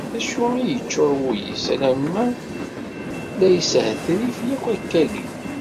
D acu i yeččuṛ wul-is alammi i la yeshetrif yakk akkagi?